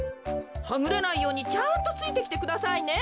はぐれないようにちゃんとついてきてくださいね。